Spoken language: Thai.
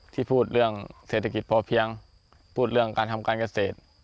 ที่พูดเรื่องเศรษฐกิจพอเพียงพูดเรื่องการทำการเกษตร